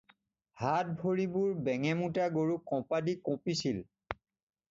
হাত ভৰিবোৰ বেঙে-মূতা গৰু কঁপাদি কঁপিছিল।